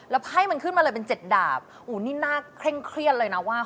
ไพ่มันขึ้นมาเลยเป็น๗ดาบอู๋นี่น่าเคร่งเครียดเลยนะว่า